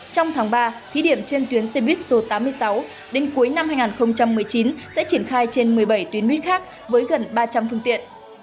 trong tháng ba thí điểm trên tuyến xe buýt số tám mươi sáu đến cuối năm hai nghìn một mươi chín sẽ triển khai trên một mươi bảy tuyến buýt khác với gần ba trăm linh phương tiện